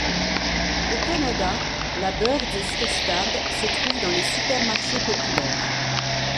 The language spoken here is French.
Au Canada, la Bird’s custard se trouve dans les supermarchés populaires.